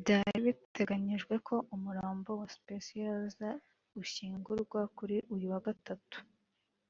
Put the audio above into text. Byari Biteganyijwe ko umurambo wa Speciose ushyingurwa kuri uyu wa gatatu